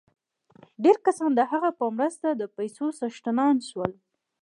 ډېر کسان د هغه په مرسته د پیسو څښتنان شول